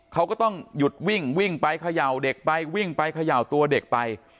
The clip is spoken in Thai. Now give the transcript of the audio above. เขาก็ต้องหยุดวิ่งวิ่งไปเขย่าเด็กไปวิ่งไปเขย่าตัวเด็กไป